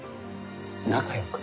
仲良く？